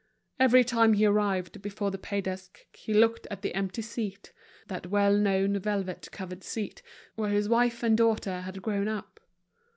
Every time he arrived before the pay desk, he looked at the empty seat, that well known velvet covered seat, where his wife and daughter had grown up.